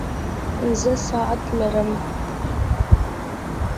زه ساعت لرم